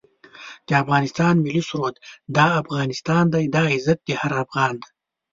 د افغانستان ملي سرود دا افغانستان دی دا عزت هر افغان دی